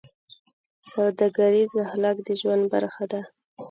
سوداګریز اخلاق د ژوند برخه ده.